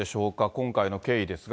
今回の経緯ですが。